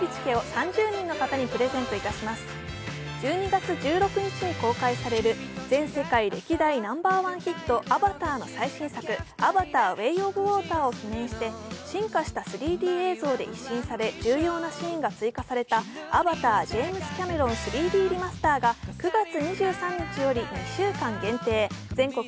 １２月１６日に公開される全世界歴代ナンバーワンヒット「アバター」の最新作「アバター：ウェイ・オブ・ウオーター」を記念して進化した３Ｄ映像で一新され、重要なシーンが追加された「アバター：ジェームズ・キャメロン３Ｄリマスター」が９月２３日より２週間限定、全国